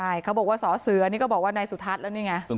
ใช่เขาบอกว่าสอเสือนี่ก็บอกว่านายสุทัศน์แล้วนี่ไง